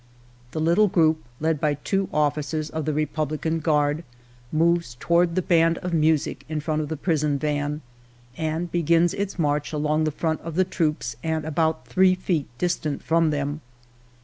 " The little group, led by two officers of the Republi can Guard, moves toward the band of music in front of the prison van and begins its march along the front of the troops and about three feet distant from them.